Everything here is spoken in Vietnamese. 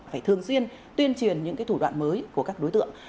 phải thường xuyên tuyên truyền những thủ đoạn mới của các đối tượng